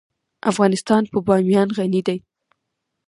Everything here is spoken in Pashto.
افغانستان په بامیان غني دی.